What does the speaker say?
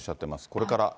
これから。